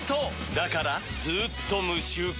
だからずーっと無臭化！